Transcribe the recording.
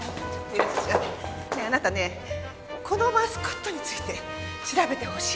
ねえあなたねこのマスコットについて調べてほしいの。